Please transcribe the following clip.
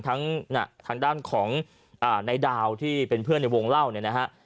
ทางด้านของนายดาวที่เป็นเพื่อนในวงเล่าเนี่ยนะฮะ